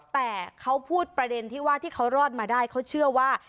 แต่เขาพูดประเด็นที่ว่าที่เขารอดมาได้เขาเชื่อว่า